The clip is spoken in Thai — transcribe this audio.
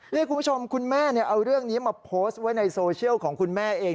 นี่คุณผู้ชมคุณแม่เอาเรื่องนี้มาโพสต์ไว้ในโซเชียลของคุณแม่เอง